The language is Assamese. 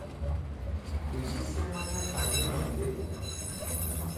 খুজিছে মানে টানি নিলেই